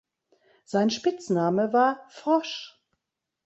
Sein Spitzname war „Frosch“.